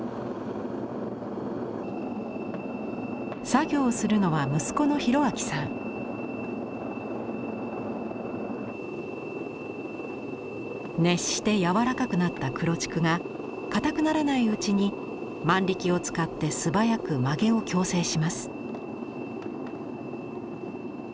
作業するのは息子の熱して柔らかくなった黒竹がかたくならないうちに万力を使って素早く曲げを矯正します。